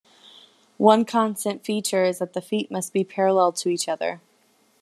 One constant feature is that the feet must be parallel to each other.